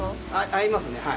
合いますね。